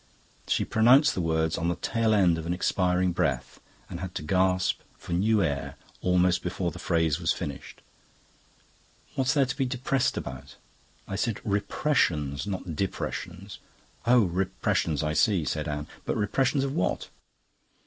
She pronounced the words on the tail end of an expiring breath, and had to gasp for new air almost before the phrase was finished. "What's there to be depressed about?" "I said repressions, not depressions." "Oh, repressions; I see," said Anne. "But repressions of what?"